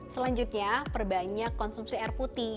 selanjutnya perbanyak konsumsi air putih